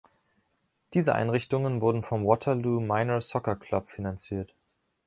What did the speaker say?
Diese Einrichtungen wurden vom Waterloo Minor Soccer Club finanziert.